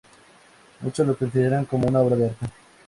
Muchos lo consideran como una obra de arte.